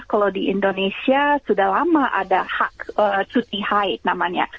kalau di indonesia sudah lama ada hak cuti haid namanya